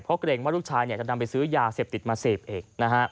เพราะเกรงว่าลูกชายจะนำไปซื้อยาเสพติดมาเสพเอง